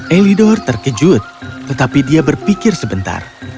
elidor terkejut tetapi dia berpikir sebentar